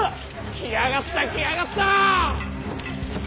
来やがった来やがった！